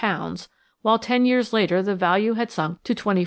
000,000, while ten years later the value had sunk to ^24,000.